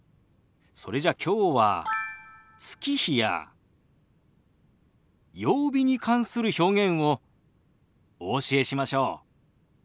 それじゃきょうは月日や曜日に関する表現をお教えしましょう。